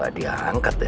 gak diangkat ya